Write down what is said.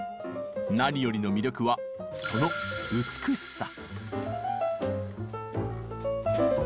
何よりの魅力はその「美しさ」。